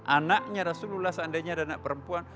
anaknya rasulullah seandainya ada anak perempuan